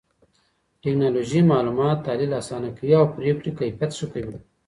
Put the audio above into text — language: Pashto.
ټکنالوژي معلومات تحليل آسانه کوي او پرېکړې کيفيت ښه کوي.